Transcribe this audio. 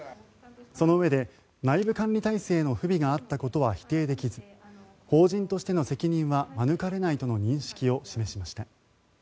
そのうえで内部管理体制の不備があったことは否定できず法人としての責任は免れないとの認識を示しました。